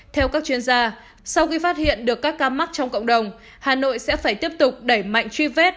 theo các chuyên gia sau khi phát hiện được các ca mắc trong cộng đồng hà nội sẽ phải tiếp tục đẩy mạnh truy vết